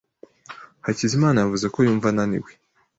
Hakizimana yavuze ko yumva ananiwe.